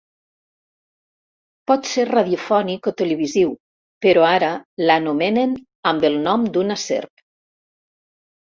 Pot ser radiofònic o televisiu, però ara l'anomenen amb el nom d'una serp.